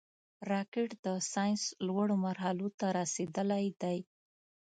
راکټ د ساینس لوړو مرحلو ته رسېدلی دی